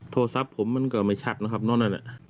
โทรศัพท์ผมมันก็ไม่ชัดนะครับนั่นแหละ